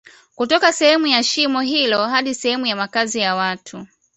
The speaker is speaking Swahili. kutoka sehemu ya shimo hilo hadi sehemu ya makazi ya watu